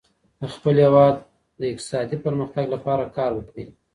د خپل هیواد د اقتصادي پرمختګ لپاره کار وکړئ.